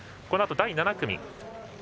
このあと第７組。